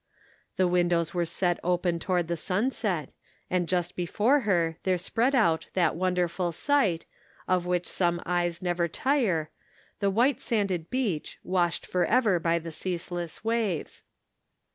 The windows were set open toward the sunset, and just before her there spread out that wonderful sight, of which some e}res never tire, the white sanded beach, washed forever by the ceaseless waves.